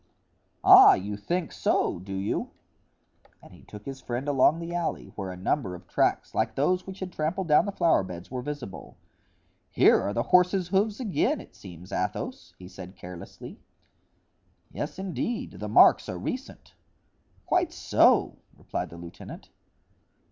"Ah! you think so, do you?" And he took his friend along the alley, where a number of tracks like those which had trampled down the flowerbeds, were visible. "Here are the horse's hoofs again, it seems, Athos," he said carelessly. "Yes, indeed, the marks are recent." "Quite so," replied the lieutenant.